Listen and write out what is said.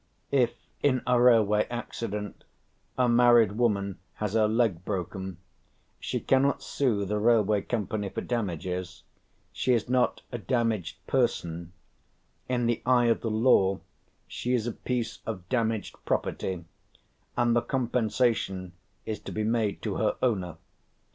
If in a railway accident a married woman has her leg broken, she cannot sue the railway company for damages; she is not a damaged person; in the eye of the law, she is a piece of damaged property, and the compensation is to be made to her owner.